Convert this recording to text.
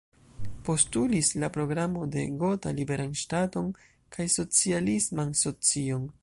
Postulis la Programo de Gotha "liberan ŝtaton" kaj "socialisman socion".